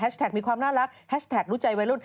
มีความน่ารักแฮชแท็กรู้ใจวัยรุ่น